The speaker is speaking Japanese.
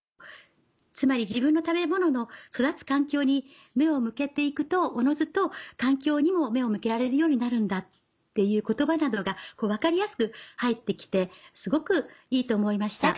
つまり自分の食べ物の育つ環境に目を向けて行くとおのずと環境にも目を向けられるようになるんだっていう言葉などが分かりやすく入って来てすごくいいと思いました。